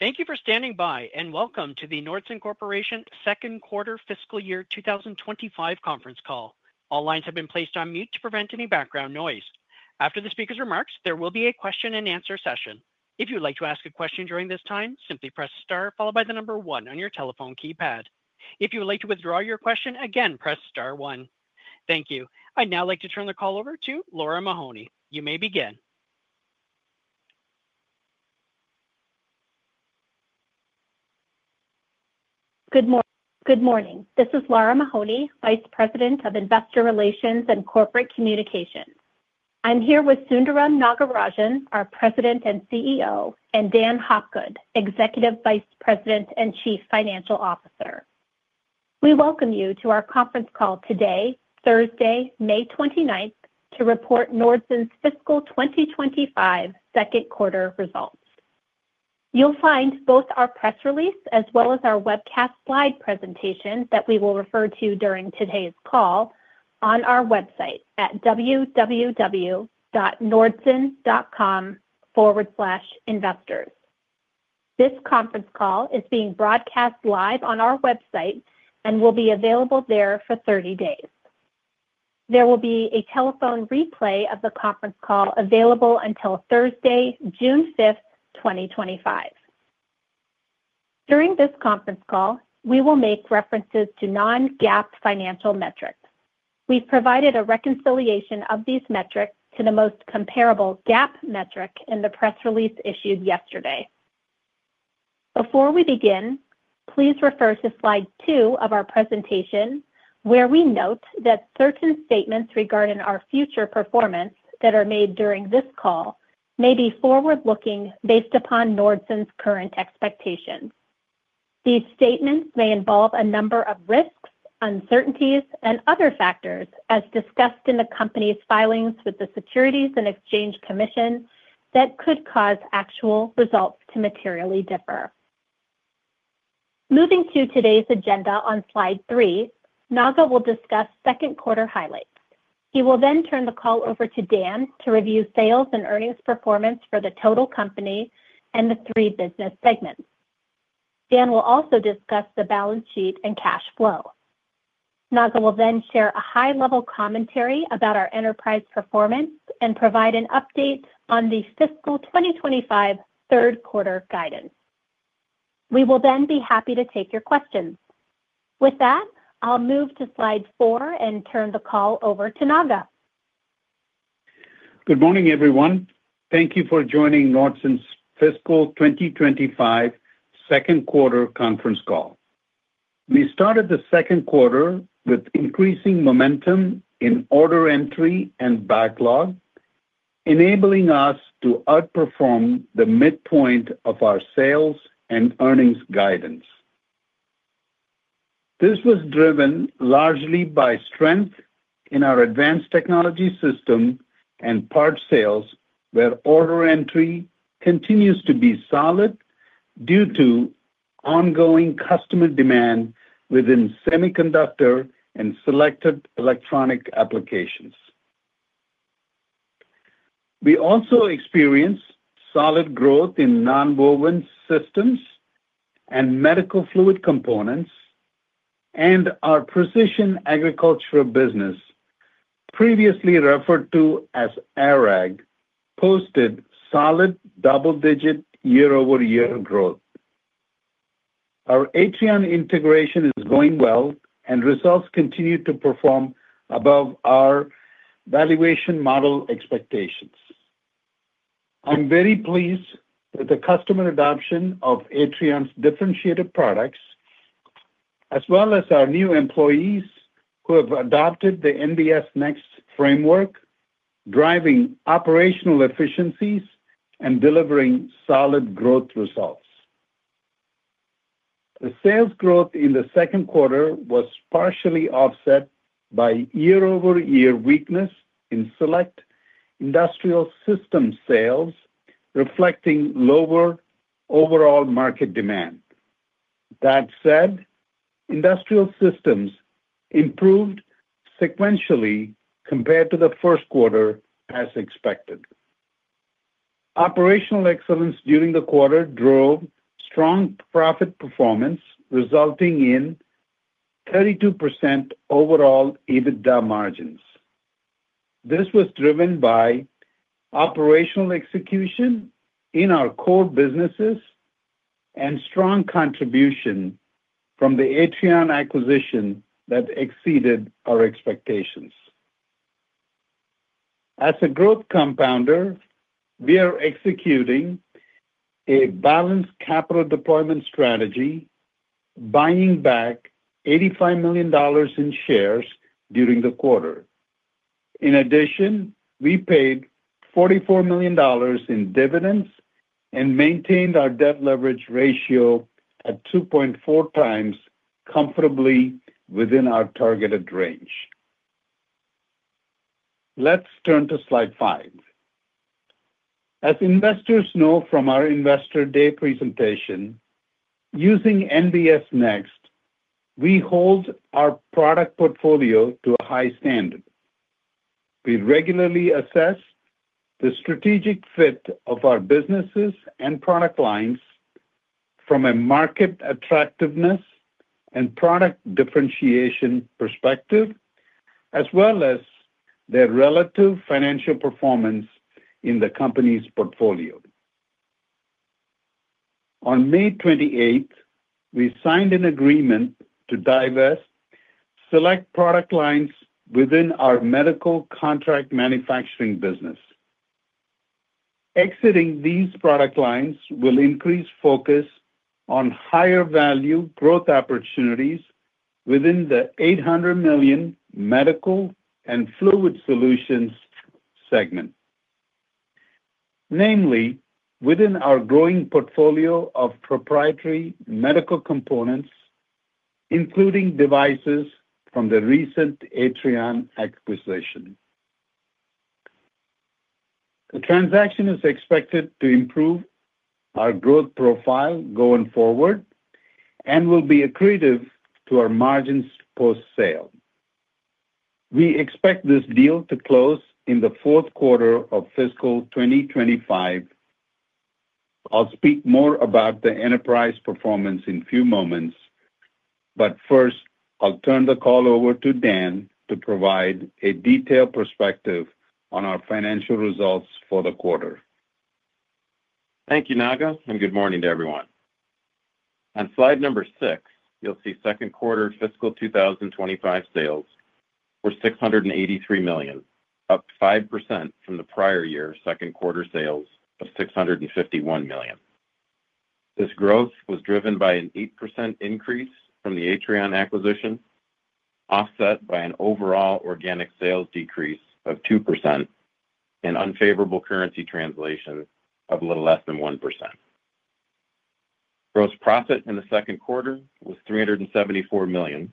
Thank you for standing by, and welcome to the Nordson Corporation Second Quarter Fiscal Year 2025 conference call. All lines have been placed on mute to prevent any background noise. After the speaker's remarks, there will be a question-and-answer session. If you'd like to ask a question during this time, simply press star followed by the number one on your telephone keypad. If you would like to withdraw your question, again, press star one. Thank you. I'd now like to turn the call over to Lara Mahoney. You may begin. Good morning. This is Lara Mahoney, Vice President of Investor Relations and Corporate Communications. I'm here with Sundaram Nagarajan, our President and CEO, and Dan Hopgood, Executive Vice President and Chief Financial Officer. We welcome you to our conference call today, Thursday, May 29, to report Nordson's fiscal 2025 second quarter results. You'll find both our press release as well as our webcast slide presentation that we will refer to during today's call on our website at www.nordson.com/investors. This conference call is being broadcast live on our website and will be available there for 30 days. There will be a telephone replay of the conference call available until Thursday, June 5, 2025. During this conference call, we will make references to non-GAAP financial metrics. We've provided a reconciliation of these metrics to the most comparable GAAP metric in the press release issued yesterday. Before we begin, please refer to slide two of our presentation where we note that certain statements regarding our future performance that are made during this call may be forward-looking based upon Nordson's current expectations. These statements may involve a number of risks, uncertainties, and other factors as discussed in the company's filings with the Securities and Exchange Commission that could cause actual results to materially differ. Moving to today's agenda on slide three, Naga will discuss second quarter highlights. He will then turn the call over to Dan to review sales and earnings performance for the total company and the three business segments. Dan will also discuss the balance sheet and cash flow. Naga will then share a high-level commentary about our enterprise performance and provide an update on the fiscal 2025 third quarter guidance. We will then be happy to take your questions. With that, I'll move to slide four and turn the call over to Naga. Good morning, everyone. Thank you for joining Nordson's fiscal 2025 second quarter conference call. We started the second quarter with increasing momentum in order entry and backlog, enabling us to outperform the midpoint of our sales and earnings guidance. This was driven largely by strength in our advanced technology system and part sales, where order entry continues to be solid due to ongoing customer demand within semiconductor and selective electronic applications. We also experienced solid growth in nonwoven systems and medical fluid components, and our precision agricultural business, previously referred to as ARAG, posted solid double-digit year-over-year growth. Our Atrion integration is going well, and results continue to perform above our valuation model expectations. I'm very pleased with the customer adoption of Atrion's differentiated products, as well as our new employees who have adopted the NBS Next framework, driving operational efficiencies and delivering solid growth results. The sales growth in the second quarter was partially offset by year-over-year weakness in select industrial system sales, reflecting lower overall market demand. That said, industrial systems improved sequentially compared to the first quarter, as expected. Operational excellence during the quarter drove strong profit performance, resulting in 32% overall EBITDA margins. This was driven by operational execution in our core businesses and strong contribution from the Atrion acquisition that exceeded our expectations. As a growth compounder, we are executing a balanced capital deployment strategy, buying back $85 million in shares during the quarter. In addition, we paid $44 million in dividends and maintained our debt leverage ratio at 2.4x, comfortably within our targeted range. Let's turn to slide five. As investors know from our Investor Day presentation, using NBS Next, we hold our product portfolio to a high standard. We regularly assess the strategic fit of our businesses and product lines from a market attractiveness and product differentiation perspective, as well as their relative financial performance in the company's portfolio. On May 28, we signed an agreement to divest select product lines within our medical contract manufacturing business. Exiting these product lines will increase focus on higher value growth opportunities within the $800 million medical and fluid solutions segment, namely within our growing portfolio of proprietary medical components, including devices from the recent Atrion acquisition. The transaction is expected to improve our growth profile going forward and will be accretive to our margins post-sale. We expect this deal to close in the fourth quarter of fiscal 2025. I'll speak more about the enterprise performance in a few moments, but first, I'll turn the call over to Dan to provide a detailed perspective on our financial results for the quarter. Thank you, Naga, and good morning to everyone. On slide number six, you'll see second quarter fiscal 2025 sales were $683 million, up 5% from the prior year's second quarter sales of $651 million. This growth was driven by an 8% increase from the Atrion acquisition, offset by an overall organic sales decrease of 2%, and unfavorable currency translation of a little less than 1%. Gross profit in the second quarter was $374 million,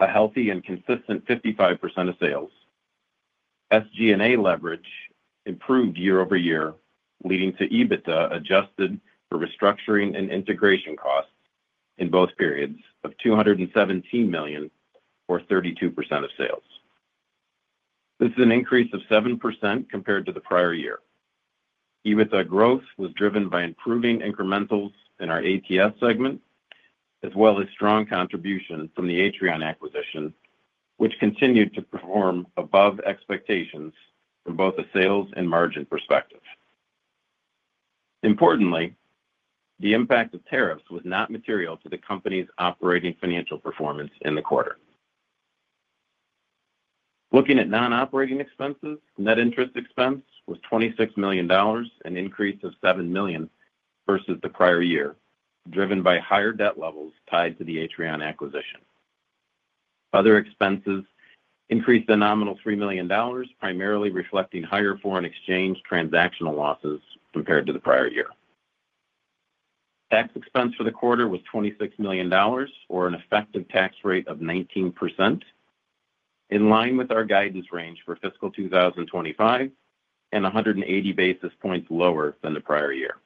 a healthy and consistent 55% of sales. SG&A leverage improved year-over-year, leading to EBITDA adjusted for restructuring and integration costs in both periods of $217 million, or 32% of sales. This is an increase of 7% compared to the prior year. EBITDA growth was driven by improving incrementals in our ATS segment, as well as strong contribution from the Atrion acquisition, which continued to perform above expectations from both a sales and margin perspective. Importantly, the impact of tariffs was not material to the company's operating financial performance in the quarter. Looking at non-operating expenses, net interest expense was $26 million, an increase of $7 million versus the prior year, driven by higher debt levels tied to the Atrion acquisition. Other expenses increased a nominal $3 million, primarily reflecting higher foreign exchange transactional losses compared to the prior year. Tax expense for the quarter was $26 million, or an effective tax rate of 19%, in line with our guidance range for fiscal 2025 and 180 basis points lower than the prior year.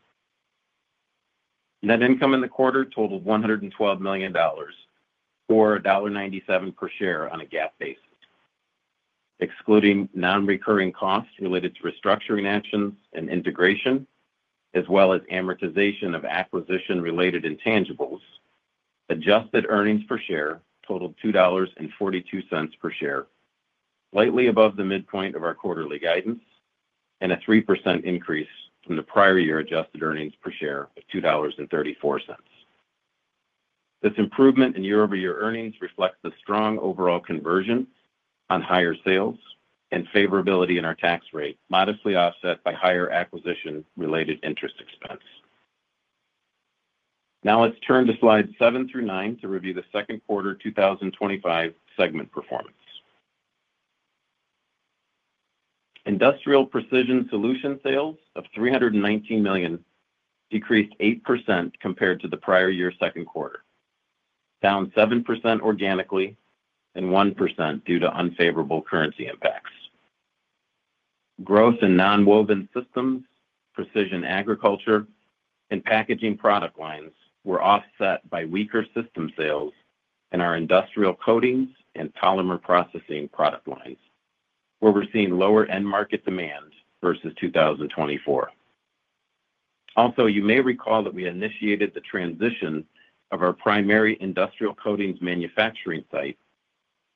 Net income in the quarter totaled $112 million, or $1.97 per share on a GAAP basis. Excluding non-recurring costs related to restructuring actions and integration, as well as amortization of acquisition-related intangibles, adjusted earnings per share totaled $2.42 per share, slightly above the midpoint of our quarterly guidance, and a 3% increase from the prior year adjusted earnings per share of $2.34. This improvement in year-over-year earnings reflects the strong overall conversion on higher sales and favorability in our tax rate, modestly offset by higher acquisition-related interest expense. Now let's turn to slides seven through nine to review the second quarter 2025 segment performance. Industrial Precision Solutions sales of $319 million decreased 8% compared to the prior year second quarter, down 7% organically and 1% due to unfavorable currency impacts. Growth in nonwoven systems, precision agriculture, and packaging product lines were offset by weaker system sales in our industrial coatings and polymer processing product lines, where we're seeing lower end market demand versus 2024. Also, you may recall that we initiated the transition of our primary industrial coatings manufacturing site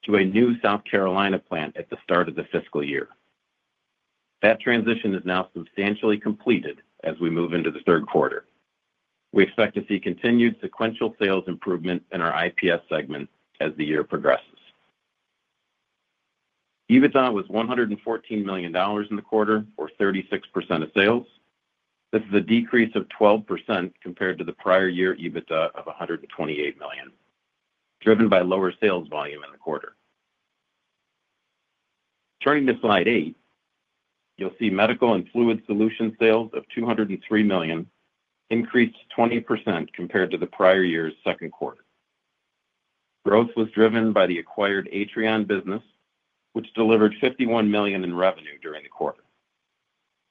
to a new South Carolina plant at the start of the fiscal year. That transition is now substantially completed as we move into the third quarter. We expect to see continued sequential sales improvement in our IPS segment as the year progresses. EBITDA was $114 million in the quarter, or 36% of sales. This is a decrease of 12% compared to the prior year EBITDA of $128 million, driven by lower sales volume in the quarter. Turning to slide eight, you'll see medical and fluid solution sales of $203 million increased 20% compared to the prior year's second quarter. Growth was driven by the acquired Atrion business, which delivered $51 million in revenue during the quarter.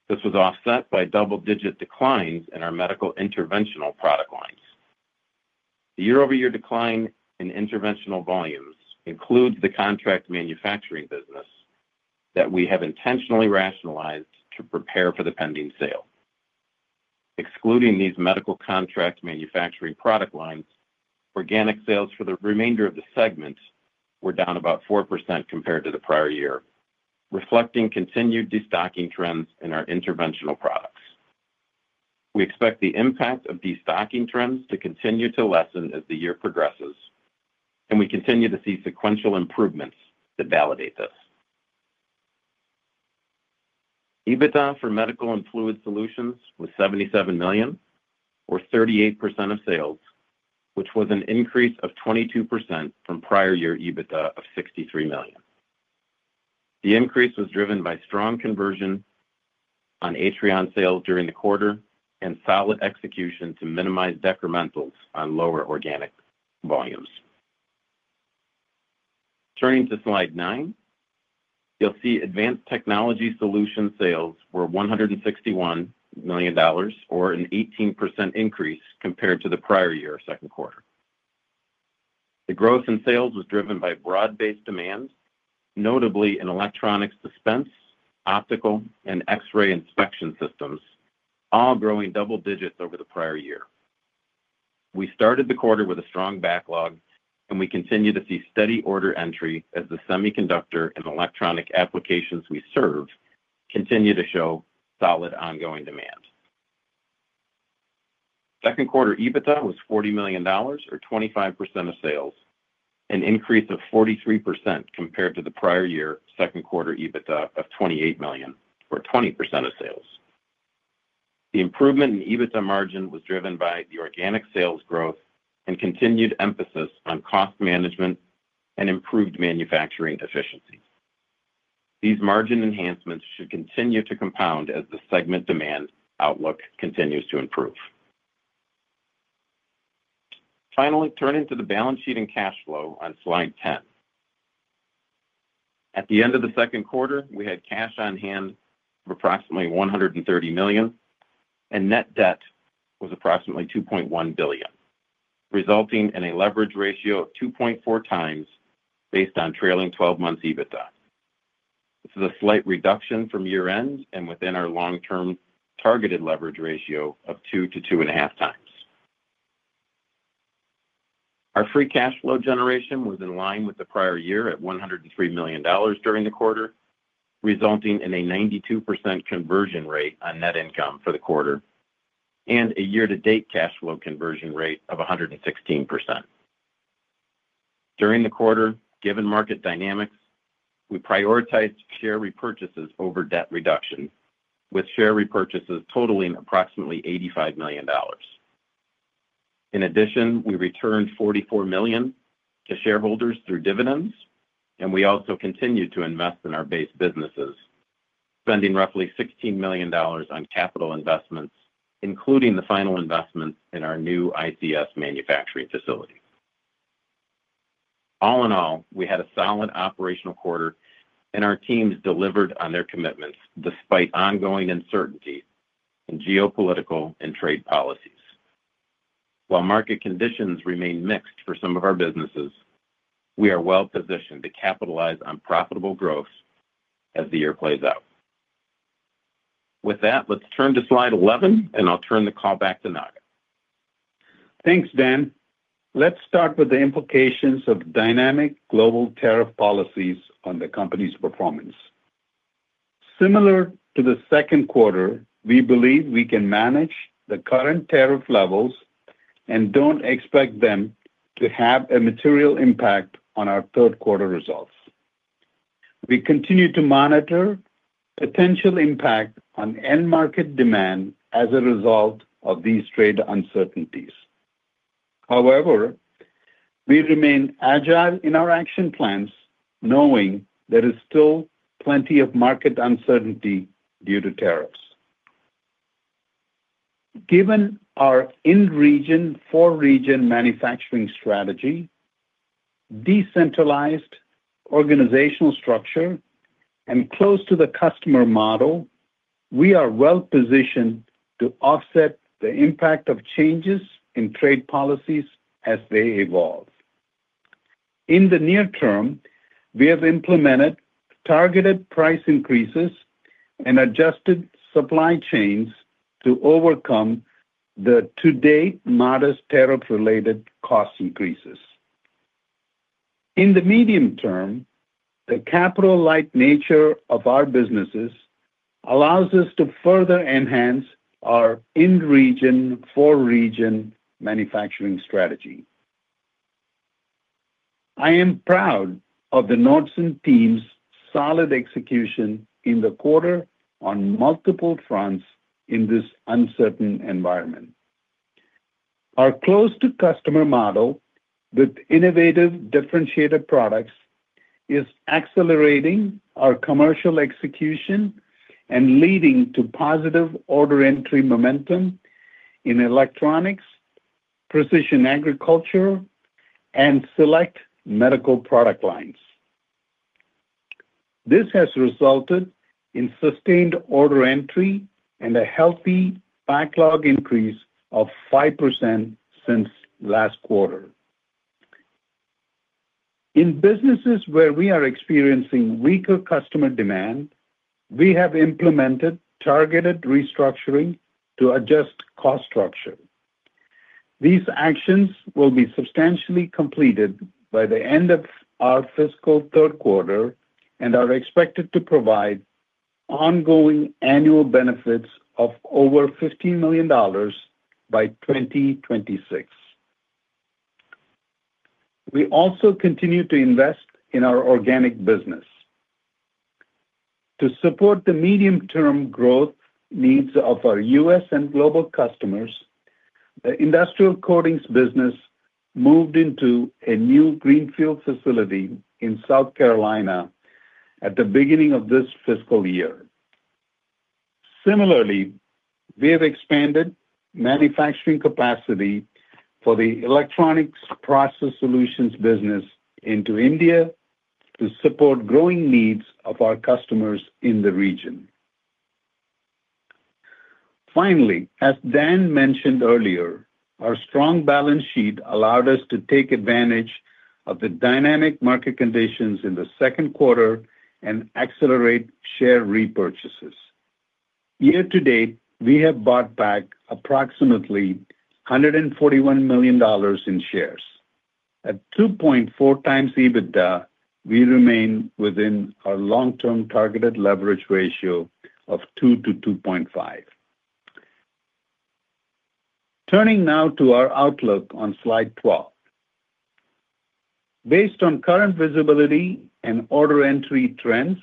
This was offset by double-digit declines in our medical interventional product lines. The year-over-year decline in interventional volumes includes the contract manufacturing business that we have intentionally rationalized to prepare for the pending sale. Excluding these medical contract manufacturing product lines, organic sales for the remainder of the segment were down about 4% compared to the prior year, reflecting continued destocking trends in our interventional products. We expect the impact of destocking trends to continue to lessen as the year progresses, and we continue to see sequential improvements that validate this. EBITDA for medical and fluid solutions was $77 million, or 38% of sales, which was an increase of 22% from prior year EBITDA of $63 million. The increase was driven by strong conversion on Atrion sales during the quarter and solid execution to minimize decrementals on lower organic volumes. Turning to slide nine, you'll see Advanced Technology Solutions sales were $161 million, or an 18% increase compared to the prior year second quarter. The growth in sales was driven by broad-based demand, notably in electronics dispense, optical, and X-ray inspection systems, all growing double digits over the prior year. We started the quarter with a strong backlog, and we continue to see steady order entry as the semiconductor and electronic applications we serve continue to show solid ongoing demand. Second quarter EBITDA was $40 million, or 25% of sales, an increase of 43% compared to the prior year second quarter EBITDA of $28 million, or 20% of sales. The improvement in EBITDA margin was driven by the organic sales growth and continued emphasis on cost management and improved manufacturing efficiency. These margin enhancements should continue to compound as the segment demand outlook continues to improve. Finally, turning to the balance sheet and cash flow on slide 10. At the end of the second quarter, we had cash on hand of approximately $130 million, and net debt was approximately $2.1 billion, resulting in a leverage ratio of 2.4x based on trailing 12 months EBITDA. This is a slight reduction from year-end and within our long-term targeted leverage ratio of 2x-2.5x. Our free cash flow generation was in line with the prior year at $103 million during the quarter, resulting in a 92% conversion rate on net income for the quarter and a year-to-date cash flow conversion rate of 116%. During the quarter, given market dynamics, we prioritized share repurchases over debt reduction, with share repurchases totaling approximately $85 million. In addition, we returned $44 million to shareholders through dividends, and we also continued to invest in our base businesses, spending roughly $16 million on capital investments, including the final investments in our new ICS manufacturing facility. All in all, we had a solid operational quarter, and our teams delivered on their commitments despite ongoing uncertainty in geopolitical and trade policies. While market conditions remain mixed for some of our businesses, we are well positioned to capitalize on profitable growth as the year plays out. With that, let's turn to slide 11, and I'll turn the call back to Naga. Thanks, Dan. Let's start with the implications of dynamic global tariff policies on the company's performance. Similar to the second quarter, we believe we can manage the current tariff levels and don't expect them to have a material impact on our third quarter results. We continue to monitor potential impact on end market demand as a result of these trade uncertainties. However, we remain agile in our action plans, knowing there is still plenty of market uncertainty due to tariffs. Given our in-region, for-region manufacturing strategy, decentralized organizational structure, and close to the customer model, we are well positioned to offset the impact of changes in trade policies as they evolve. In the near term, we have implemented targeted price increases and adjusted supply chains to overcome the to-date modest tariff-related cost increases. In the medium term, the capital-like nature of our businesses allows us to further enhance our in-region, for-region manufacturing strategy. I am proud of the Nordson team's solid execution in the quarter on multiple fronts in this uncertain environment. Our close-to-customer model with innovative differentiated products is accelerating our commercial execution and leading to positive order entry momentum in electronics, precision agriculture, and select medical product lines. This has resulted in sustained order entry and a healthy backlog increase of 5% since last quarter. In businesses where we are experiencing weaker customer demand, we have implemented targeted restructuring to adjust cost structure. These actions will be substantially completed by the end of our fiscal third quarter and are expected to provide ongoing annual benefits of over $15 million by 2026. We also continue to invest in our organic business. To support the medium-term growth needs of our U.S. Global customers, the industrial coatings business moved into a new Greenfield facility in South Carolina at the beginning of this fiscal year. Similarly, we have expanded manufacturing capacity for the electronics process solutions business into India to support growing needs of our customers in the region. Finally, as Dan mentioned earlier, our strong balance sheet allowed us to take advantage of the dynamic market conditions in the second quarter and accelerate share repurchases. Year-to-date, we have bought back approximately $141 million in shares. At 2.4x EBITDA, we remain within our long-term targeted leverage ratio of 2x-2.5x. Turning now to our outlook on slide 12. Based on current visibility and order entry trends,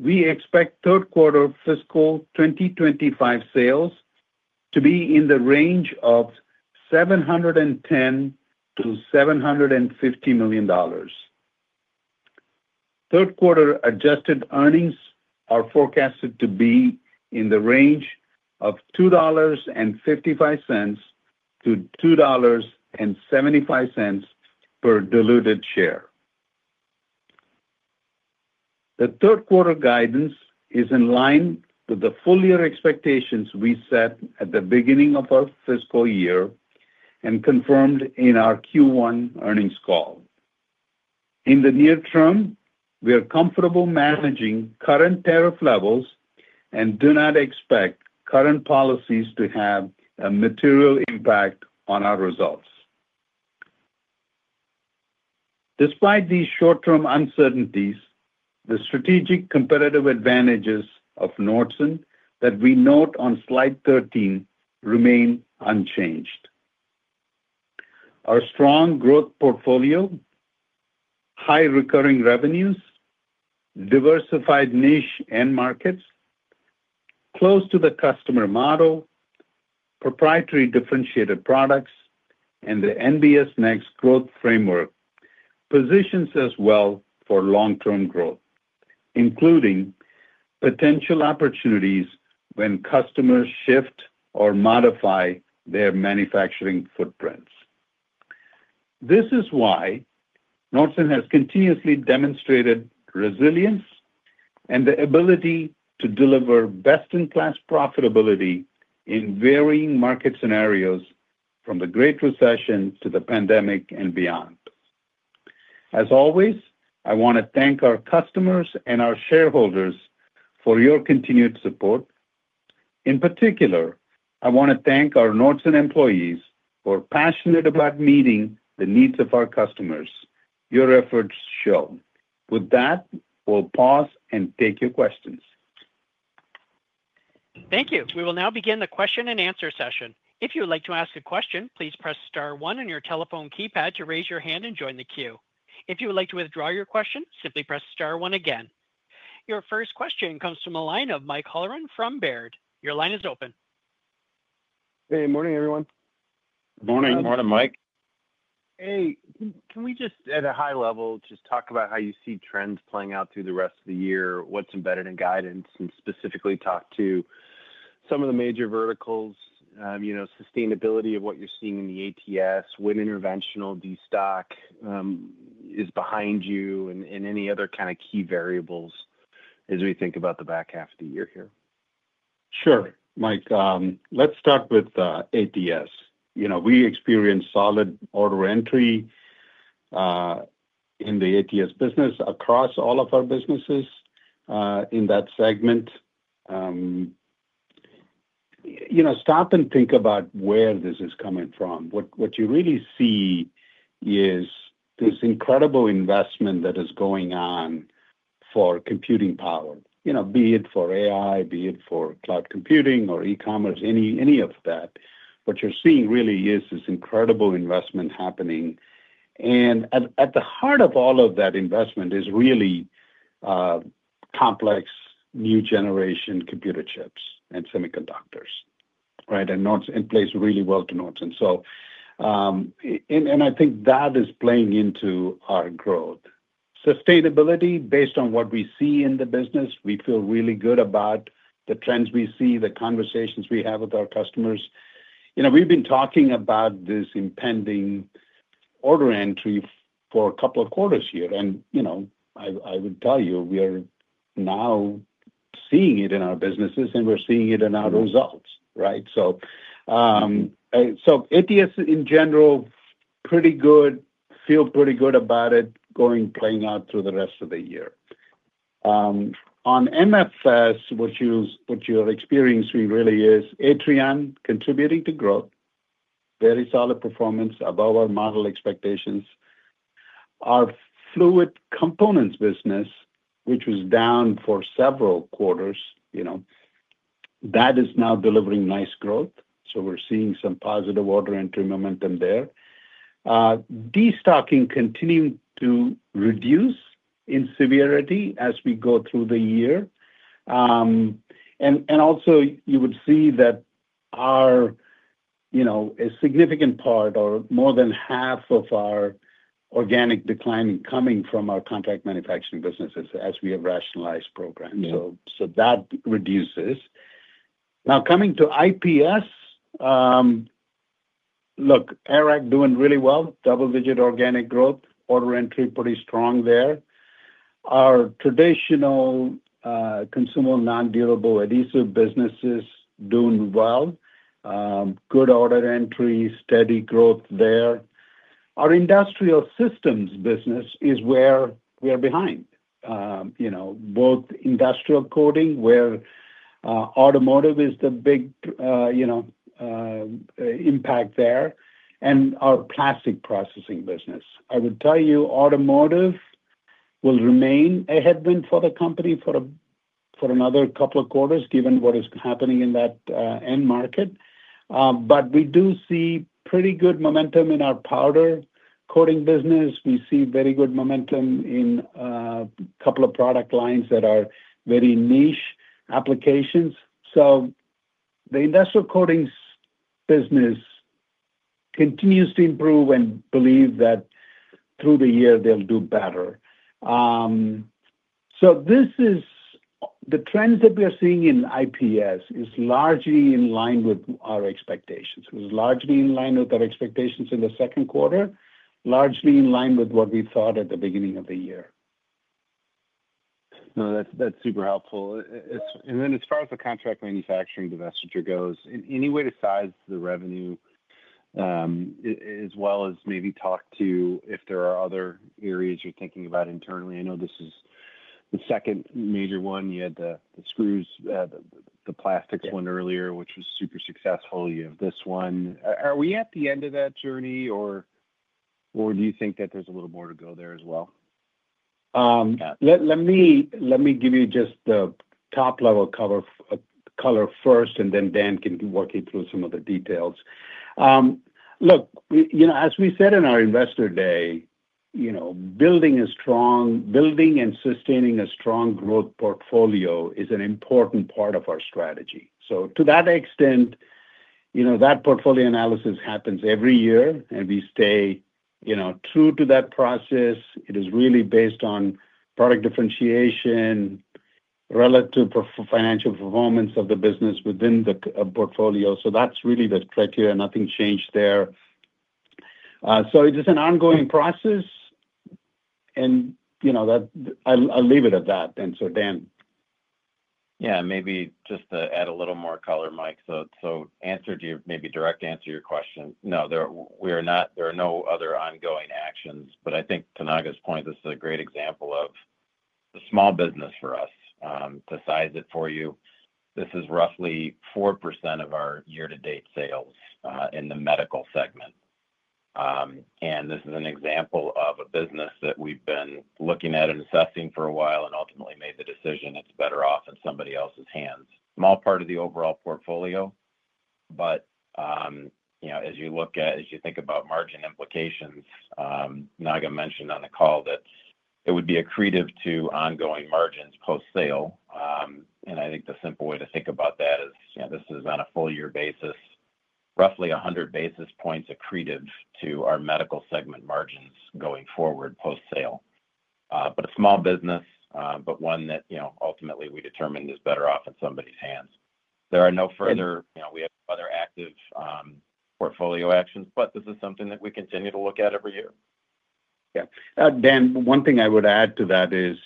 we expect third quarter fiscal 2025 sales to be in the range of $710 million-$750 million. Third quarter adjusted earnings are forecasted to be in the range of $2.55-$2.75 per diluted share. The third quarter guidance is in line with the full year expectations we set at the beginning of our fiscal year and confirmed in our Q1 earnings call. In the near term, we are comfortable managing current tariff levels and do not expect current policies to have a material impact on our results. Despite these short-term uncertainties, the strategic competitive advantages of Nordson that we note on slide 13 remain unchanged. Our strong growth portfolio, high recurring revenues, diversified niche end markets, close to the customer model, proprietary differentiated products, and the NBS Next growth framework position us well for long-term growth, including potential opportunities when customers shift or modify their manufacturing footprints. This is why Nordson has continuously demonstrated resilience and the ability to deliver best-in-class profitability in varying market scenarios from the Great Recession to the pandemic and beyond. As always, I want to thank our customers and our shareholders for your continued support. In particular, I want to thank our Nordson employees who are passionate about meeting the needs of our customers. Your efforts show. With that, we'll pause and take your questions. Thank you. We will now begin the question and answer session. If you would like to ask a question, please press star one on your telephone keypad to raise your hand and join the queue. If you would like to withdraw your question, simply press star one again. Your first question comes from the line of Michael Halloran from Baird. Your line is open. Hey, morning, everyone. Morning. Morning, Mike. Hey. Can we just, at a high level, just talk about how you see trends playing out through the rest of the year, what's embedded in guidance, and specifically talk to some of the major verticals, sustainability of what you're seeing in the ATS, when interventional destock is behind you, and any other kind of key variables as we think about the back half of the year here? Sure, Mike. Let's start with ATS. We experience solid order entry in the ATS business across all of our businesses in that segment. Stop and think about where this is coming from. What you really see is this incredible investment that is going on for computing power, be it for AI, be it for cloud computing, or e-commerce, any of that. What you're seeing really is this incredible investment happening. At the heart of all of that investment is really complex new generation computer chips and semiconductors, right, and plays really well to Nordson. I think that is playing into our growth. Sustainability, based on what we see in the business, we feel really good about the trends we see, the conversations we have with our customers. We've been talking about this impending order entry for a couple of quarters here. I would tell you, we are now seeing it in our businesses, and we're seeing it in our results, right? ATS, in general, pretty good, feel pretty good about it going playing out through the rest of the year. On MFS, what you're experiencing really is Atrion contributing to growth, very solid performance above our model expectations. Our fluid components business, which was down for several quarters, that is now delivering nice growth. We're seeing some positive order entry momentum there. Destocking continuing to reduce in severity as we go through the year. You would see that a significant part or more than half of our organic decline coming from our contract manufacturing businesses as we have rationalized programs. That reduces. Now, coming to IPS, look, ARAG doing really well, double-digit organic growth, order entry pretty strong there. Our traditional consumable non-durable adhesive business is doing well, good order entry, steady growth there. Our industrial systems business is where we are behind, both industrial coating, where automotive is the big impact there, and our plastic processing business. I would tell you, automotive will remain a headwind for the company for another couple of quarters, given what is happening in that end market. We do see pretty good momentum in our powder coating business. We see very good momentum in a couple of product lines that are very niche applications. The industrial coatings business continues to improve and believe that through the year, they'll do better. The trends that we are seeing in IPS are largely in line with our expectations. It was largely in line with our expectations in the second quarter, largely in line with what we thought at the beginning of the year. No, that's super helpful. Then as far as the contract manufacturing divestiture goes, any way to size the revenue as well as maybe talk to if there are other areas you're thinking about internally? I know this is the second major one. You had the screws, the plastics one earlier, which was super successful. You have this one. Are we at the end of that journey, or do you think that there's a little more to go there as well? Let me give you just the top-level color first, and then Dan can work you through some of the details. Look, as we said in our investor day, building and sustaining a strong growth portfolio is an important part of our strategy. To that extent, that portfolio analysis happens every year, and we stay true to that process. It is really based on product differentiation, relative financial performance of the business within the portfolio. That is really the criteria. Nothing changed there. It is an ongoing process, and I'll leave it at that. And so, Dan. Yeah, maybe just to add a little more color, Mike, so maybe direct answer your question. No, there are no other ongoing actions. I think Naga's point, this is a great example of the small business for us to size it for you. This is roughly 4% of our year-to-date sales in the medical segment. This is an example of a business that we've been looking at and assessing for a while and ultimately made the decision it's better off in somebody else's hands. Small part of the overall portfolio. As you look at, as you think about margin implications, Naga mentioned on the call that it would be accretive to ongoing margins post-sale. I think the simple way to think about that is this is on a full-year basis, roughly 100 basis points accretive to our medical segment margins going forward post-sale. A small business, but one that ultimately we determined is better off in somebody's hands. There are no further, we have other active portfolio actions, but this is something that we continue to look at every year. Yeah. Dan, one thing I would add to that is,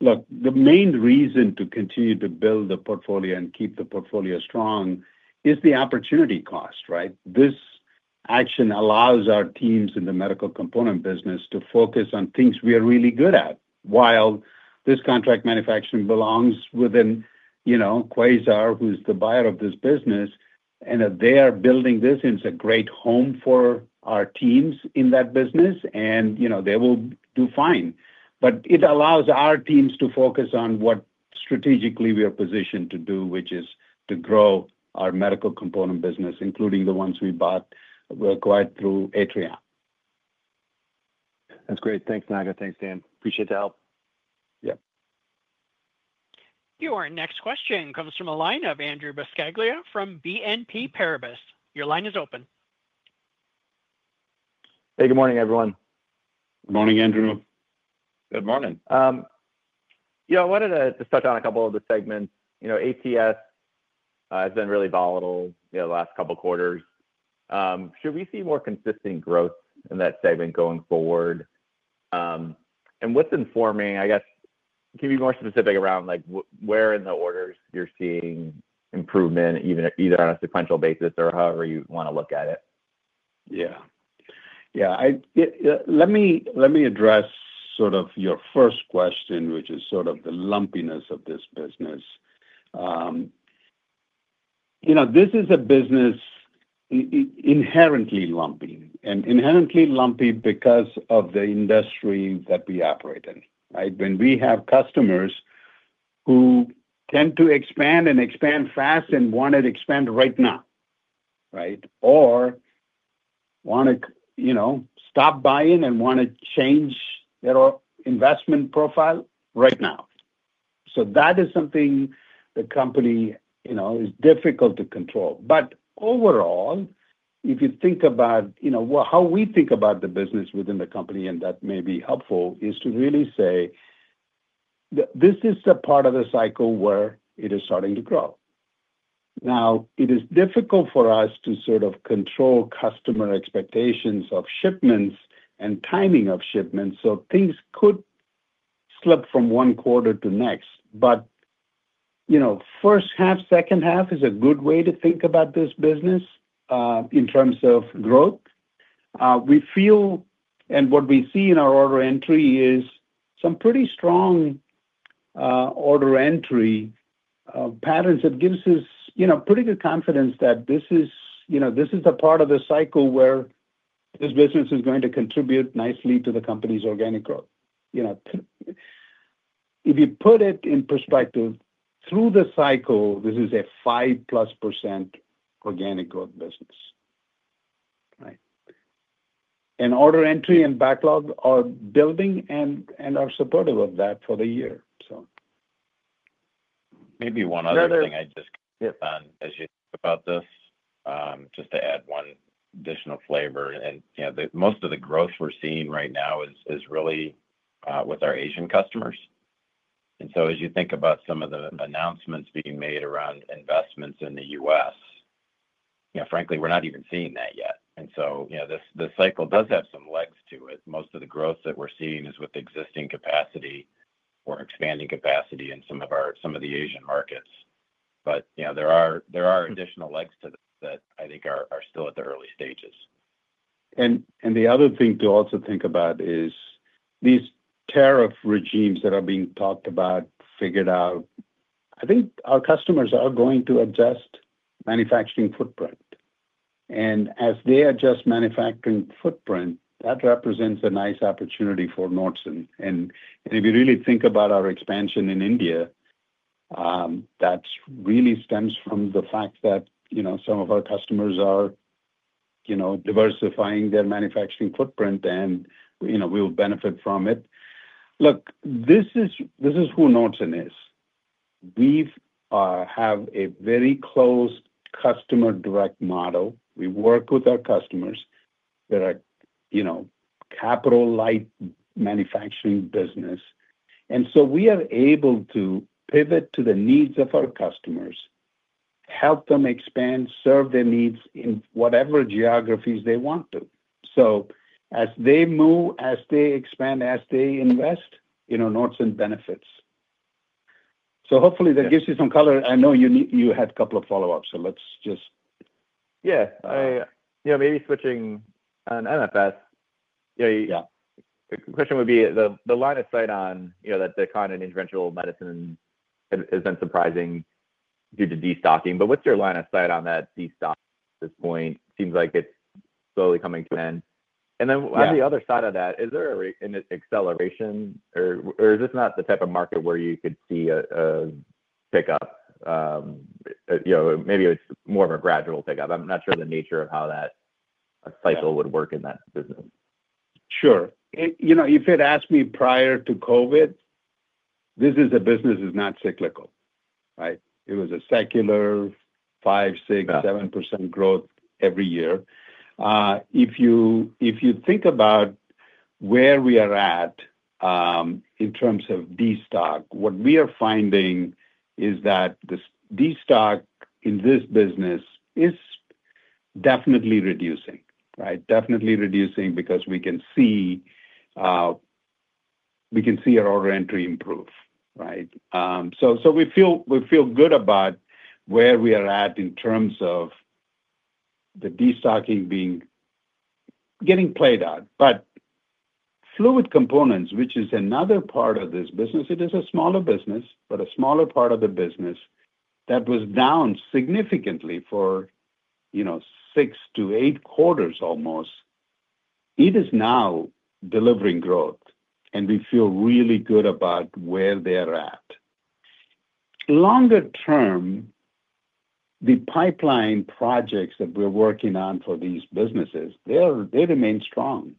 look, the main reason to continue to build the portfolio and keep the portfolio strong is the opportunity cost, right? This action allows our teams in the medical component business to focus on things we are really good at. While this contract manufacturing belongs within Quasar, who's the buyer of this business, and they are building this into a great home for our teams in that business, and they will do fine. It allows our teams to focus on what strategically we are positioned to do, which is to grow our medical component business, including the ones we bought, were acquired through Atrion. That's great. Thanks, Naga. Thanks, Dan. Appreciate the help. Yep. Your next question comes from the line of Andrew Buscaglia from BNP Paribas. Your line is open. Hey, good morning, everyone. Good morning, Andrew. Good morning. Yeah, I wanted to touch on a couple of the segments. ATS has been really volatile the last couple of quarters. Should we see more consistent growth in that segment going forward? What's informing, I guess, can you be more specific around where in the orders you're seeing improvement, either on a sequential basis or however you want to look at it? Yeah. Yeah. Let me address sort of your first question, which is sort of the lumpiness of this business. This is a business inherently lumpy and inherently lumpy because of the industry that we operate in, right? When we have customers who tend to expand and expand fast and want to expand right now, right, or want to stop buying and want to change their investment profile right now. That is something the company is difficult to control. Overall, if you think about how we think about the business within the company, and that may be helpful, is to really say this is a part of the cycle where it is starting to grow. Now, it is difficult for us to sort of control customer expectations of shipments and timing of shipments. Things could slip from one quarter to next. First half, second half is a good way to think about this business in terms of growth. We feel and what we see in our order entry is some pretty strong order entry patterns that gives us pretty good confidence that this is a part of the cycle where this business is going to contribute nicely to the company's organic growth. If you put it in perspective, through the cycle, this is a 5%+ organic growth business, right? Order entry and backlog are building and are supportive of that for the year. Maybe one other thing I just hit on as you think about this, just to add one additional flavor. Most of the growth we're seeing right now is really with our Asian customers. As you think about some of the announcements being made around investments in the U.S., frankly, we're not even seeing that yet. The cycle does have some legs to it. Most of the growth that we're seeing is with existing capacity or expanding capacity in some of the Asian markets. There are additional legs to that that I think are still at the early stages. The other thing to also think about is these tariff regimes that are being talked about, figured out. I think our customers are going to adjust manufacturing footprint. As they adjust manufacturing footprint, that represents a nice opportunity for Nordson. If you really think about our expansion in India, that really stems from the fact that some of our customers are diversifying their manufacturing footprint, and we'll benefit from it. Look, this is who Nordson is. We have a very closed customer direct model. We work with our customers. They're a capital-light manufacturing business. We are able to pivot to the needs of our customers, help them expand, serve their needs in whatever geographies they want to. As they move, as they expand, as they invest, Nordson benefits. Hopefully, that gives you some color. I know you had a couple of follow-ups, so let's just. Yeah. Yeah. Maybe switching on MFS, the question would be the line of sight on that. The continental interventional medicine has been surprising due to destocking. What's your line of sight on that destocking at this point? Seems like it's slowly coming to an end. On the other side of that, is there an acceleration, or is this not the type of market where you could see a pickup? Maybe it's more of a gradual pickup. I'm not sure the nature of how that cycle would work in that business. Sure. If you had asked me prior to COVID, this is a business that is not cyclical, right? It was a secular 5%, 6%, 7% growth every year. If you think about where we are at in terms of destock, what we are finding is that the destock in this business is definitely reducing, right? Definitely reducing because we can see our order entry improve, right? We feel good about where we are at in terms of the destocking getting played out. Fluid components, which is another part of this business, it is a smaller business, but a smaller part of the business that was down significantly for six to eight quarters almost, it is now delivering growth, and we feel really good about where they are at. Longer term, the pipeline projects that we're working on for these businesses, they remain strong.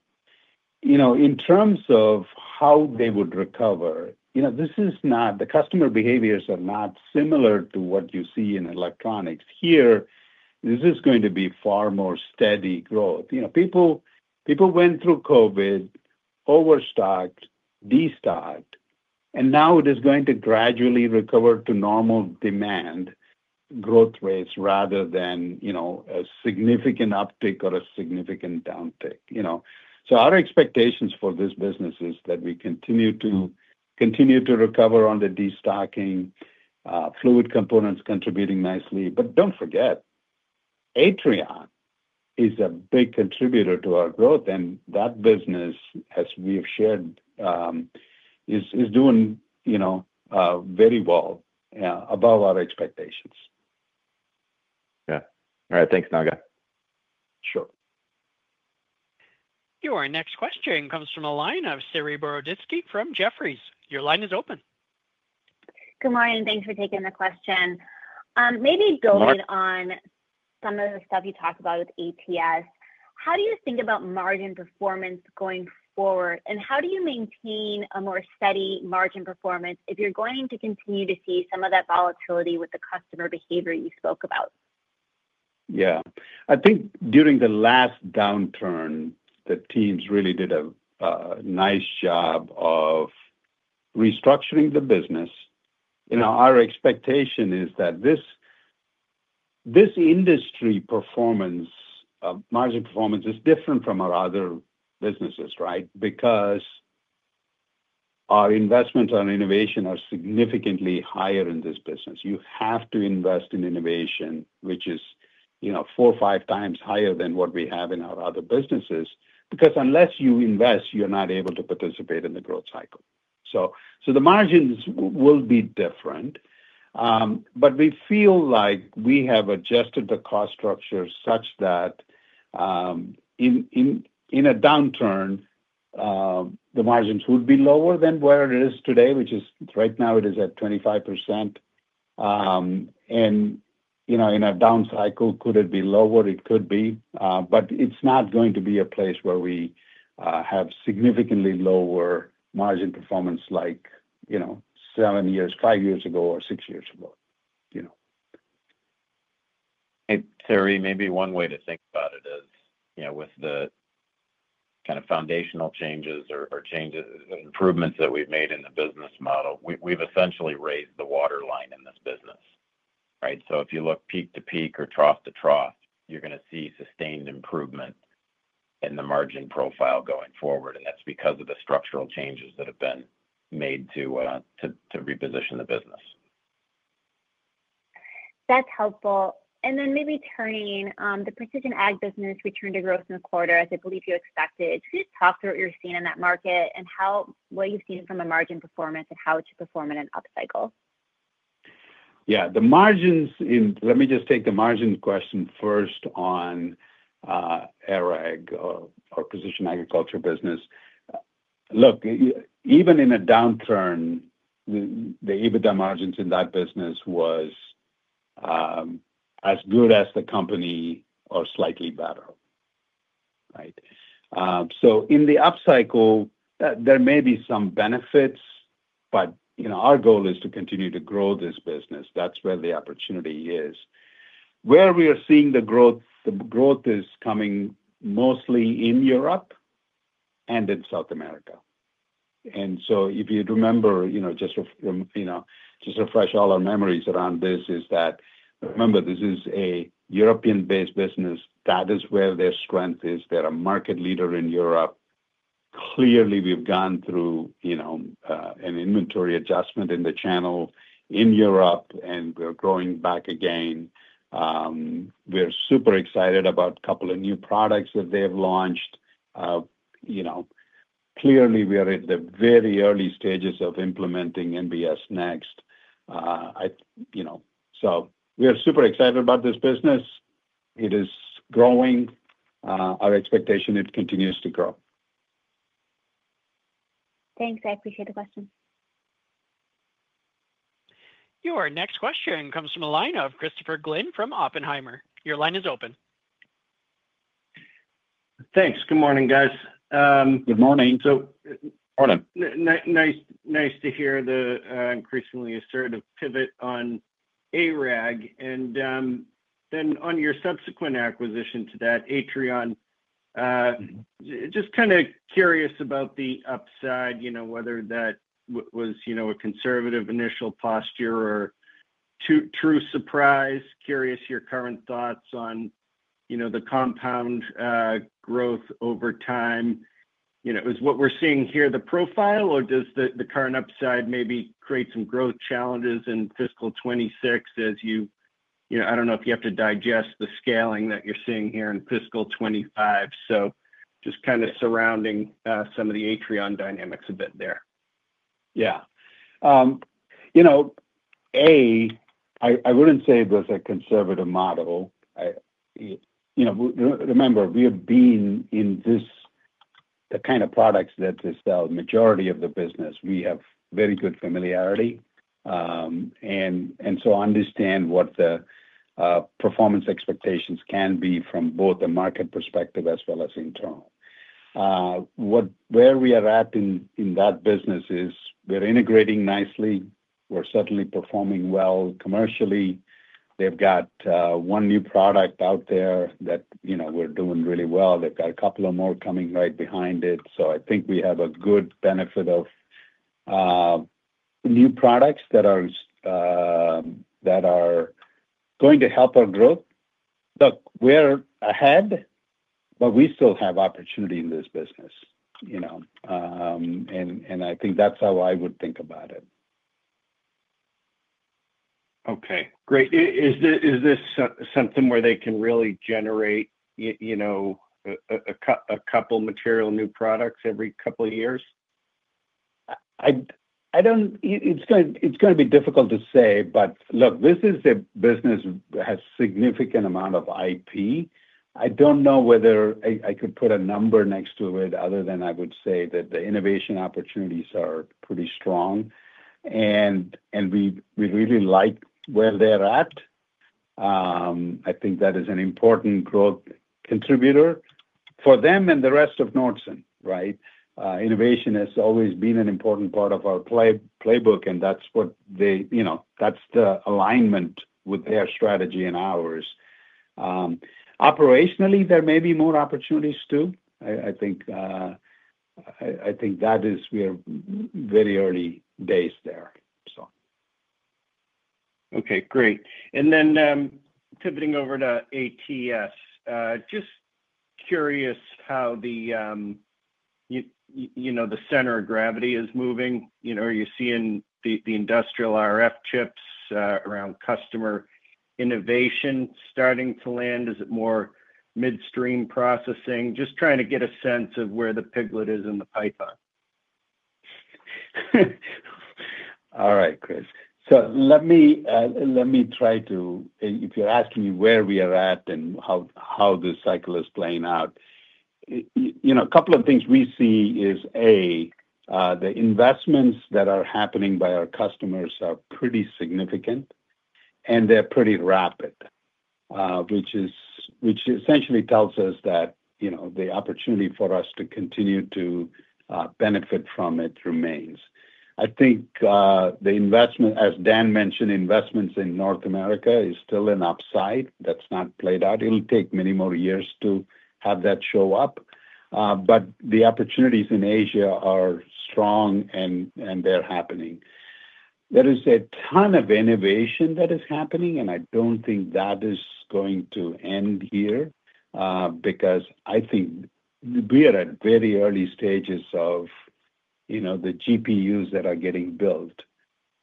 In terms of how they would recover, this is not the customer behaviors are not similar to what you see in electronics. Here, this is going to be far more steady growth. People went through COVID, overstocked, destocked, and now it is going to gradually recover to normal demand growth rates rather than a significant uptick or a significant downtick. Our expectations for this business is that we continue to recover on the destocking, fluid components contributing nicely. Do not forget, Atrion is a big contributor to our growth, and that business, as we have shared, is doing very well above our expectations. Yeah. All right. Thanks, Naga. Sure. Your next question comes from the line of Saree Boroditsky from Jefferies. Your line is open. Good morning. Thanks for taking the question. Maybe building on some of the stuff you talked about with ATS, how do you think about margin performance going forward, and how do you maintain a more steady margin performance if you're going to continue to see some of that volatility with the customer behavior you spoke about? Yeah. I think during the last downturn, the teams really did a nice job of restructuring the business. Our expectation is that this industry performance, margin performance is different from our other businesses, right? Because our investments on innovation are significantly higher in this business. You have to invest in innovation, which is four or five times higher than what we have in our other businesses. Because unless you invest, you're not able to participate in the growth cycle. The margins will be different. We feel like we have adjusted the cost structure such that in a downturn, the margins would be lower than where it is today, which is right now it is at 25%. In a down cycle, could it be lower? It could be. It's not going to be a place where we have significantly lower margin performance like seven years, five years ago, or six years ago. Hey, Sarre, maybe one way to think about it is with the kind of foundational changes or improvements that we've made in the business model, we've essentially raised the waterline in this business, right? If you look peak to peak or trough to trough, you're going to see sustained improvement in the margin profile going forward. That's because of the structural changes that have been made to reposition the business. That's helpful. Maybe turning to the precision ag business return to growth in the quarter, as I believe you expected, could you talk through what you're seeing in that market and what you've seen from a margin performance and how it should perform in an up cycle? Yeah. Let me just take the margin question first on ARAG or precision agriculture business. Look, even in a downturn, the EBITDA margins in that business were as good as the company or slightly better, right? In the up cycle, there may be some benefits, but our goal is to continue to grow this business. That's where the opportunity is. Where we are seeing the growth, the growth is coming mostly in Europe and in South America. If you remember, just to refresh all our memories around this is that, remember, this is a European-based business. That is where their strength is. They're a market leader in Europe. Clearly, we've gone through an inventory adjustment in the channel in Europe, and we're growing back again. We're super excited about a couple of new products that they've launched. Clearly, we are at the very early stages of implementing NBS Next. So we are super excited about this business. It is growing. Our expectation, it continues to grow. Thanks. I appreciate the question. Your next question comes from the line of Christopher Glynn from Oppenheimer. Your line is open. Thanks. Good morning, guys. Good morning. Nice to hear the increasingly assertive pivot on ARAG. And then on your subsequent acquisition to that, Atrion, just kind of curious about the upside, whether that was a conservative initial posture or true surprise. Curious your current thoughts on the compound growth over time. Is what we're seeing here the profile, or does the current upside maybe create some growth challenges in fiscal 2026 as you—I do not know if you have to digest the scaling that you're seeing here in fiscal 2025. Just kind of surrounding some of the Atrion dynamics a bit there. Yeah. I wouldn't say it was a conservative model. Remember, we have been in the kind of products that they sell the majority of the business. We have very good familiarity. And so I understand what the performance expectations can be from both the market perspective as well as internal. Where we are at in that business is we're integrating nicely. We're certainly performing well commercially. They've got one new product out there that we're doing really well. They've got a couple more coming right behind it. I think we have a good benefit of new products that are going to help our growth. Look, we're ahead, but we still have opportunity in this business. I think that's how I would think about it. Okay. Great. Is this something where they can really generate a couple of material new products every couple of years? It's going to be difficult to say, but look, this is a business that has a significant amount of IP. I don't know whether I could put a number next to it other than I would say that the innovation opportunities are pretty strong. We really like where they're at. I think that is an important growth contributor for them and the rest of Nordson, right? Innovation has always been an important part of our playbook, and that's what they—that's the alignment with their strategy and ours. Operationally, there may be more opportunities too. I think that is—we're very early days there, so. Okay. Great. Then pivoting over to ATS, just curious how the center of gravity is moving. Are you seeing the industrial RF chips around customer innovation starting to land? Is it more midstream processing? Just trying to get a sense of where the piglet is in the pipeline. All right, Chris. Let me try to—if you're asking me where we are at and how the cycle is playing out, a couple of things we see is, A, the investments that are happening by our customers are pretty significant, and they're pretty rapid, which essentially tells us that the opportunity for us to continue to benefit from it remains. I think the investment, as Dan mentioned, investments in North America is still an upside. That's not played out. It'll take many more years to have that show up. The opportunities in Asia are strong, and they're happening. There is a ton of innovation that is happening, and I don't think that is going to end here because I think we are at very early stages of the GPUs that are getting built.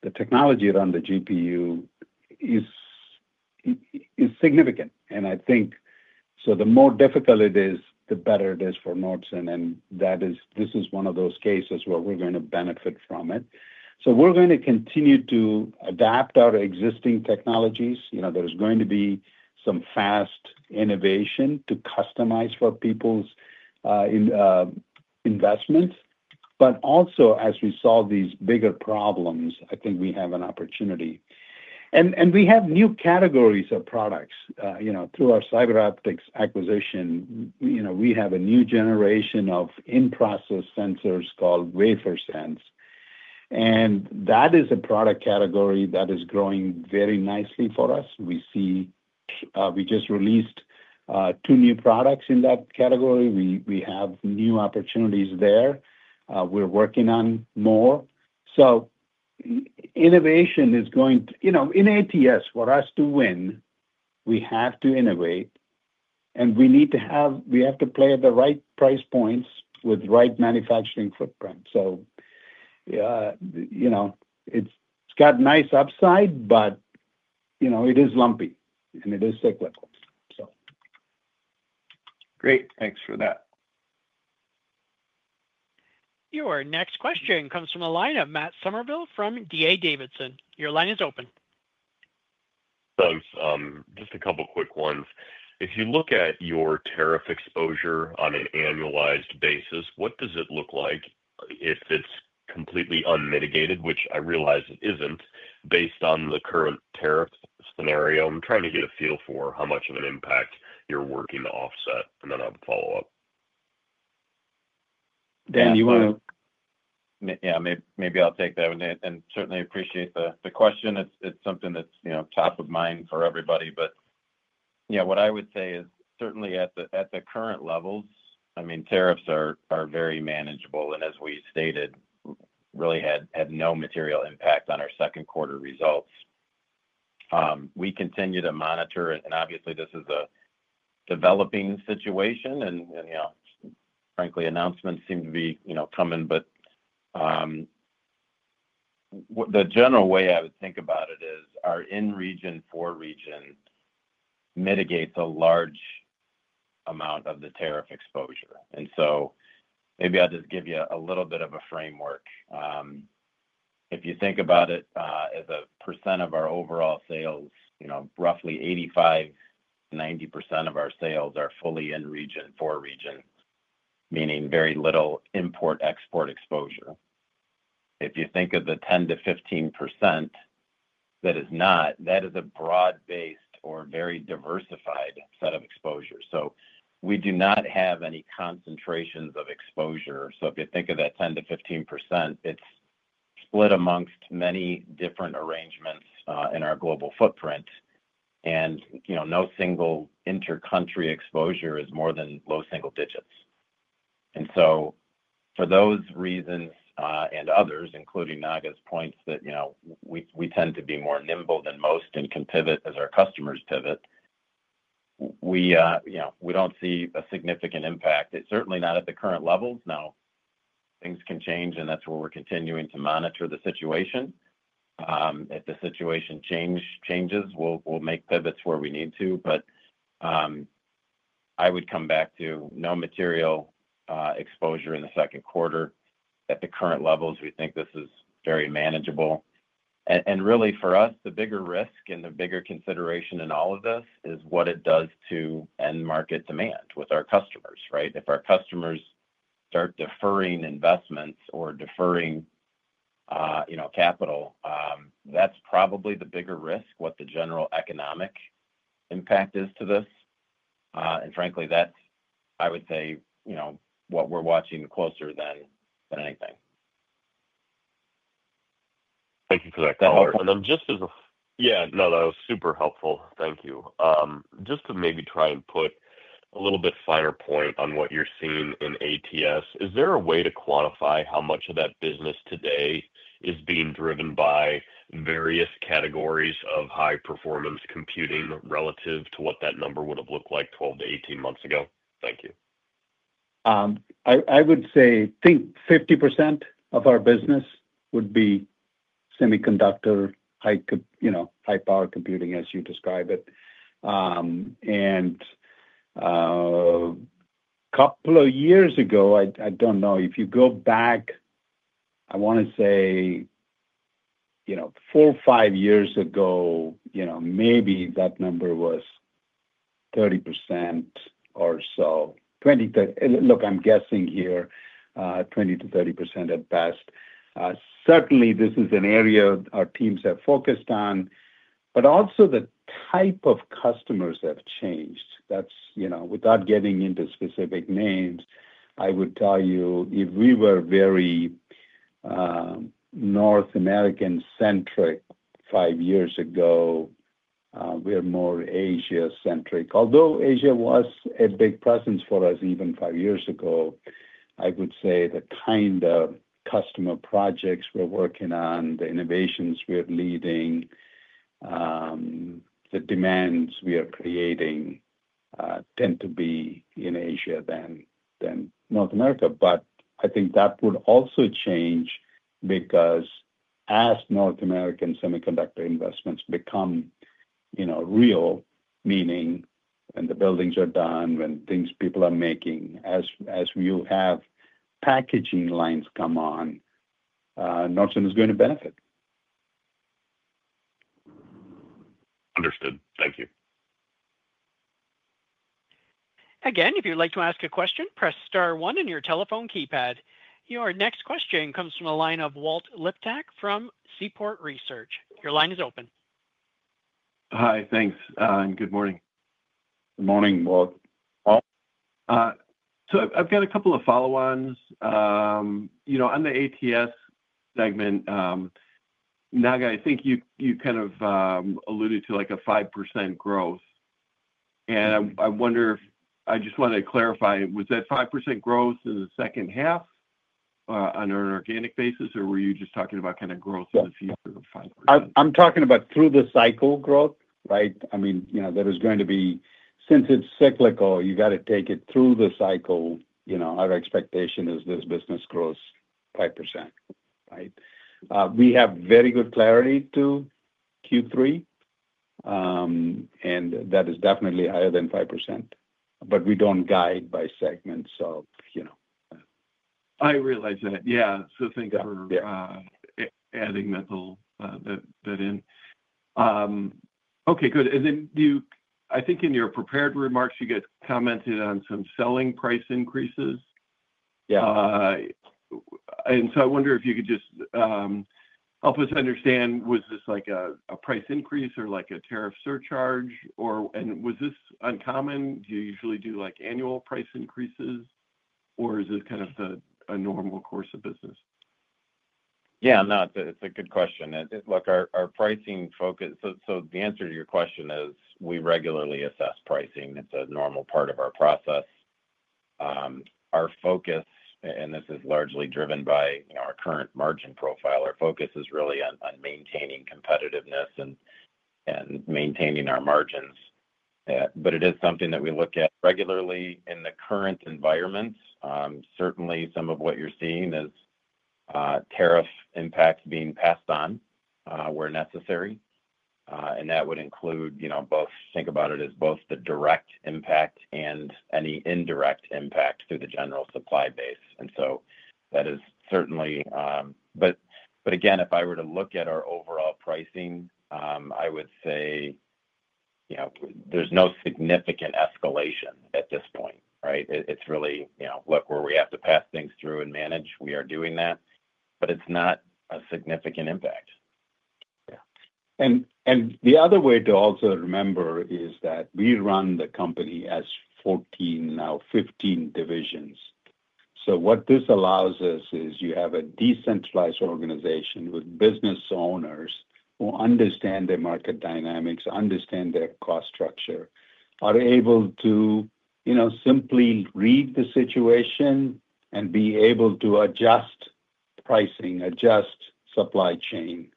The technology around the GPU is significant. I think the more difficult it is, the better it is for Nordson. This is one of those cases where we're going to benefit from it. We're going to continue to adapt our existing technologies. There's going to be some fast innovation to customize for people's investments. Also, as we solve these bigger problems, I think we have an opportunity. We have new categories of products. Through our CyberOptix acquisition, we have a new generation of in-process sensors called WaferSense. That is a product category that is growing very nicely for us. We just released two new products in that category. We have new opportunities there. We're working on more. Innovation is going—in ATS, for us to win, we have to innovate. We need to have—we have to play at the right price points with the right manufacturing footprint. It's got nice upside, but it is lumpy, and it is cyclical. Great. Thanks for that. Your next question comes from Matt Summerville from D.A. Davidson. Your line is open. Hello. Just a couple of quick ones. If you look at your tariff exposure on an annualized basis, what does it look like if it's completely unmitigated, which I realize it isn't based on the current tariff scenario? I'm trying to get a feel for how much of an impact you're working to offset, and then I'll follow up. Dan, you want to? Yeah. Maybe I'll take that one. I certainly appreciate the question. It's something that's top of mind for everybody. Yeah, what I would say is certainly at the current levels, tariffs are very manageable. As we stated, really had no material impact on our second quarter results. We continue to monitor it. Obviously, this is a developing situation. Frankly, announcements seem to be coming. The general way I would think about it is our in-region for region mitigates a large amount of the tariff exposure. Maybe I'll just give you a little bit of a framework. If you think about it as a percent of our overall sales, roughly 85%-90% of our sales are fully in-region for region, meaning very little import-export exposure. If you think of the 10-15% that is not, that is a broad-based or very diversified set of exposures. We do not have any concentrations of exposure. If you think of that 10%-15%, it is split amongst many different arrangements in our global footprint. No single inter-country exposure is more than low single digits. For those reasons and others, including Naga's points that we tend to be more nimble than most and can pivot as our customers pivot, we do not see a significant impact. It is certainly not at the current levels. Now, things can change, and that is where we are continuing to monitor the situation. If the situation changes, we will make pivots where we need to. I would come back to no material exposure in the second quarter. At the current levels, we think this is very manageable. Really, for us, the bigger risk and the bigger consideration in all of this is what it does to end market demand with our customers, right? If our customers start deferring investments or deferring capital, that's probably the bigger risk, what the general economic impact is to this. Frankly, that's, I would say, what we're watching closer than anything. Thank you for that comment. That's helpful. Yeah. No, that was super helpful. Thank you. Just to maybe try and put a little bit finer point on what you're seeing in ATS, is there a way to quantify how much of that business today is being driven by various categories of high-performance computing relative to what that number would have looked like 12-18 months ago? Thank you. I would say, I think 50% of our business would be semiconductor, high-power computing, as you describe it. A couple of years ago, I don't know. If you go back, I want to say four or five years ago, maybe that number was 30% or so. Look, I'm guessing here, 20%-30% at best. Certainly, this is an area our teams have focused on. Also, the type of customers have changed. Without getting into specific names, I would tell you if we were very North American-centric five years ago, we're more Asia-centric. Although Asia was a big presence for us even five years ago, I would say the kind of customer projects we're working on, the innovations we're leading, the demands we are creating tend to be in Asia than North America. I think that would also change because as North American semiconductor investments become real, meaning when the buildings are done, when things people are making, as we will have packaging lines come on, Nordson is going to benefit. Understood. Thank you. Again, if you'd like to ask a question, press star one on your telephone keypad. Your next question comes from the line of Walter Liptak from Seaport Research. Your line is open. Hi. Thanks, and good morning. Good morning, Walt. I've got a couple of follow-ons. On the ATS segment, Naga, I think you kind of alluded to a 5% growth. I wonder if I just want to clarify, was that 5% growth in the second half on an organic basis, or were you just talking about kind of growth in the future of 5%? I'm talking about through-the-cycle growth, right? I mean, there is going to be since it's cyclical, you got to take it through the cycle. Our expectation is this business grows 5%, right? We have very good clarity to Q3, and that is definitely higher than 5%. We don't guide by segment, so. I realize that. Yeah. Thanks for adding that in. Okay. Good. I think in your prepared remarks, you commented on some selling price increases. Yeah. I wonder if you could just help us understand, was this a price increase or a tariff surcharge? Was this uncommon? Do you usually do annual price increases, or is it kind of a normal course of business? Yeah. No, it's a good question. Look, our pricing focus—so the answer to your question is we regularly assess pricing. It's a normal part of our process. Our focus, and this is largely driven by our current margin profile, our focus is really on maintaining competitiveness and maintaining our margins. It is something that we look at regularly in the current environment. Certainly, some of what you're seeing is tariff impacts being passed on where necessary. That would include both—think about it as both the direct impact and any indirect impact through the general supply base. That is certainly—if I were to look at our overall pricing, I would say there's no significant escalation at this point, right? It's really, look, where we have to pass things through and manage, we are doing that. It's not a significant impact. Yeah. The other way to also remember is that we run the company as 14, now 15 divisions. What this allows us is you have a decentralized organization with business owners who understand their market dynamics, understand their cost structure, are able to simply read the situation and be able to adjust pricing, adjust supply chain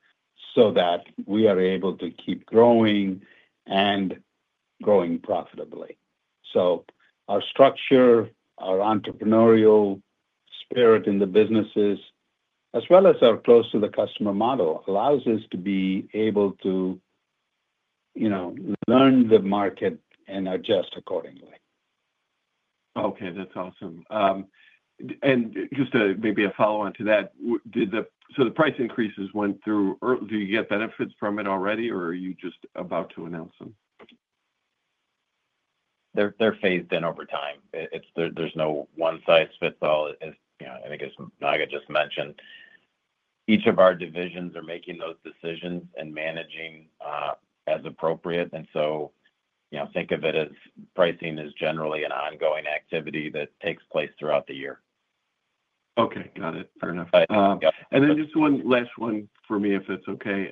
so that we are able to keep growing and growing profitably. Our structure, our entrepreneurial spirit in the businesses, as well as our close-to-the-customer model, allows us to be able to learn the market and adjust accordingly. Okay. That's awesome. Just maybe a follow-on to that, so the price increases went through. Do you get benefits from it already, or are you just about to announce them? They're phased in over time. There's no one-size-fits-all. I think, as Naga just mentioned, each of our divisions are making those decisions and managing as appropriate. Think of it as pricing is generally an ongoing activity that takes place throughout the year. Okay. Got it. Fair enough. And then just one last one for me, if it's okay.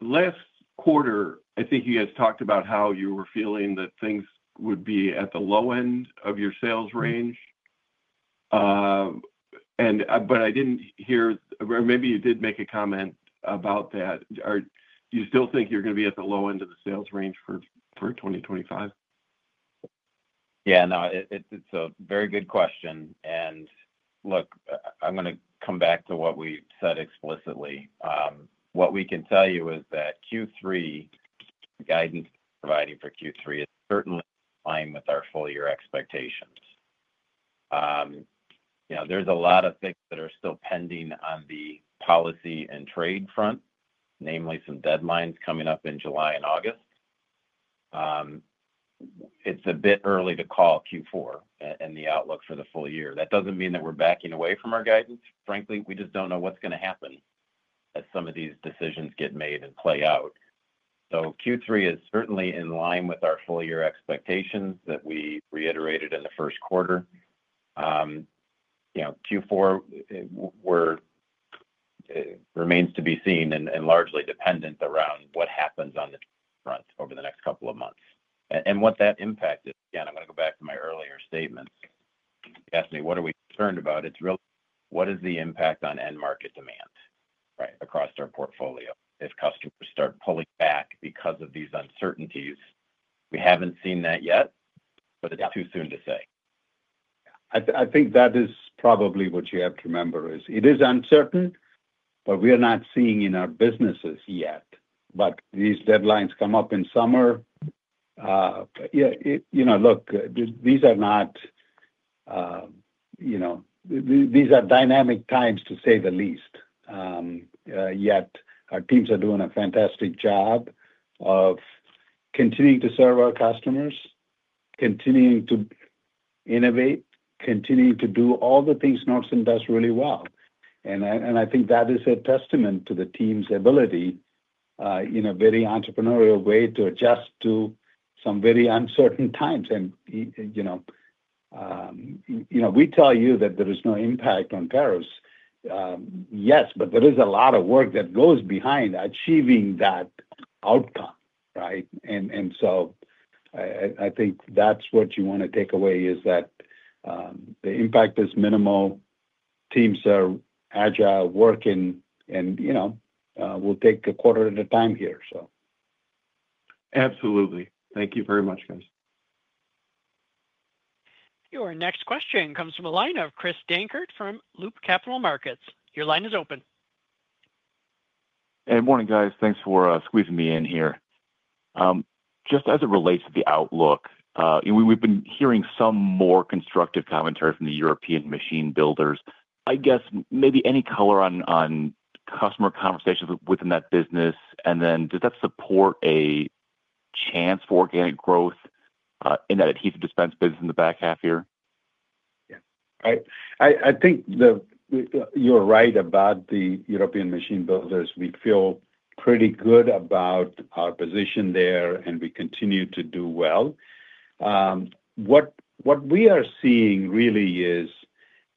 Last quarter, I think you guys talked about how you were feeling that things would be at the low end of your sales range. I didn't hear—or maybe you did make a comment about that. Do you still think you're going to be at the low end of the sales range for 2025? Yeah. No, it's a very good question. Look, I'm going to come back to what we said explicitly. What we can tell you is that Q3, the guidance providing for Q3 is certainly in line with our full-year expectations. There's a lot of things that are still pending on the policy and trade front, namely some deadlines coming up in July and August. It's a bit early to call Q4 and the outlook for the full year. That doesn't mean that we're backing away from our guidance. Frankly, we just don't know what's going to happen as some of these decisions get made and play out. Q3 is certainly in line with our full-year expectations that we reiterated in the first quarter. Q4 remains to be seen and largely dependent around what happens on the trade front over the next couple of months. What that impact is, again, I'm going to go back to my earlier statements. You asked me, "What are we concerned about?" It's really, what is the impact on end market demand, right, across our portfolio if customers start pulling back because of these uncertainties? We haven't seen that yet, but it's too soon to say. I think that is probably what you have to remember is it is uncertain, but we are not seeing in our businesses yet. These deadlines come up in summer. Yeah. These are not, these are dynamic times, to say the least. Yet our teams are doing a fantastic job of continuing to serve our customers, continuing to innovate, continuing to do all the things Nordson does really well. I think that is a testament to the team's ability in a very entrepreneurial way to adjust to some very uncertain times. We tell you that there is no impact on tariffs. Yes, but there is a lot of work that goes behind achieving that outcome, right? I think that's what you want to take away is that the impact is minimal. Teams are agile, working, and we'll take a quarter at a time here. Absolutely. Thank you very much, guys. Your next question comes from a line of Chris Dankert from Loop Capital Markets. Your line is open. Hey, morning, guys. Thanks for squeezing me in here. Just as it relates to the outlook, we've been hearing some more constructive commentary from the European machine builders. I guess maybe any color on customer conversations within that business, and then does that support a chance for organic growth in that adhesive dispense business in the back half here? Yeah. I think you're right about the European machine builders. We feel pretty good about our position there, and we continue to do well. What we are seeing really is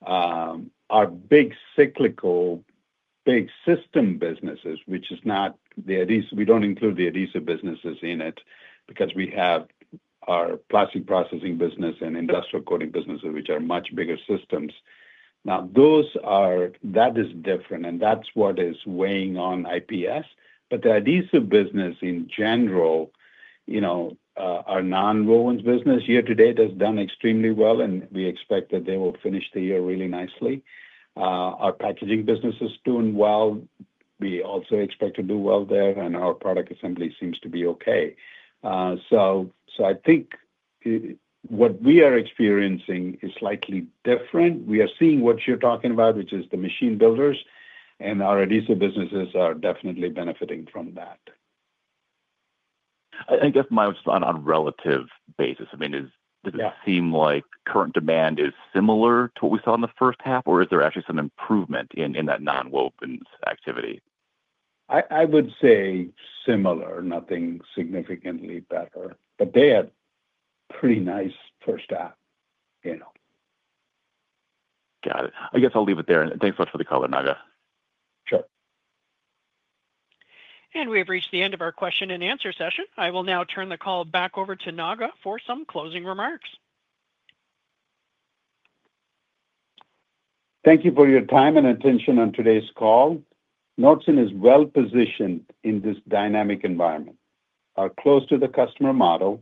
our big cyclical, big system businesses, which is not the—we don't include the adhesive businesses in it because we have our plastic processing business and industrial coating businesses, which are much bigger systems. Now, that is different, and that's what is weighing on IPS. The adhesive business in general, our nonwovens business year to date has done extremely well, and we expect that they will finish the year really nicely. Our packaging business is doing well. We also expect to do well there, and our product assembly seems to be okay. I think what we are experiencing is slightly different. We are seeing what you're talking about, which is the machine builders, and our adhesive businesses are definitely benefiting from that. I guess my—on a relative basis, I mean, does it seem like current demand is similar to what we saw in the first half, or is there actually some improvement in that nonwovens activity? I would say similar, nothing significantly better. They had a pretty nice first half. Got it. I guess I'll leave it there. Thanks so much for the call there, Naga. Sure. We have reached the end of our question and answer session. I will now turn the call back over to Naga for some closing remarks. Thank you for your time and attention on today's call. Nordson is well positioned in this dynamic environment. Our close-to-the-customer model,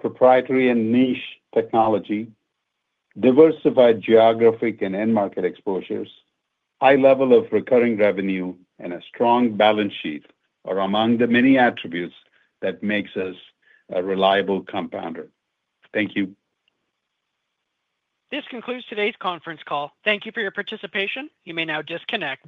proprietary and niche technology, diversified geographic and end market exposures, high level of recurring revenue, and a strong balance sheet are among the many attributes that make us a reliable compounder. Thank you. This concludes today's conference call. Thank you for your participation. You may now disconnect.